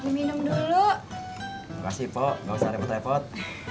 minum dulu kasih kok nggak usah repot repot